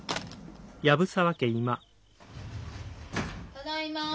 ・ただいま。